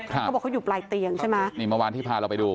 เขาบอกเขาอยู่ปลายเตียงใช่ไหมนี่เมื่อวานที่พาเราไปดู